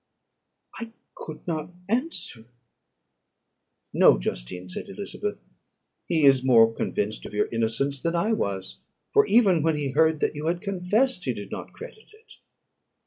I could not answer. "No, Justine," said Elizabeth; "he is more convinced of your innocence than I was; for even when he heard that you had confessed, he did not credit it."